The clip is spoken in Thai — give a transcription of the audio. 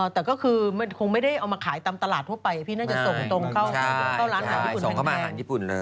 แต่ก็คือคงไม่ได้เอามาขายตามตลาดทั่วไปพี่น่าจะส่งตรงเข้าร้านอาหารญี่ปุ่นเลย